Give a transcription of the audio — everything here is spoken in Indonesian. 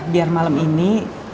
biar malam ini